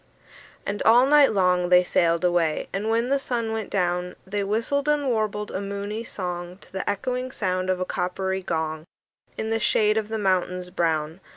And all night long they sailed away; And when the sun went down, They whistled and warbled a moony song To the echoing sound of a coppery gong, In the shade of the mountains brown.